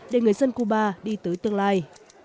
để người dân cuba đi tới tương lai